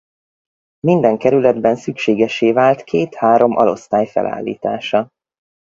Minden kerületben szükségessé vált két-három alosztály felállítása.